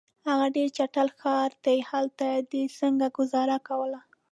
هغه ډېر چټل ښار دی، هلته دي څنګه ګذاره کول؟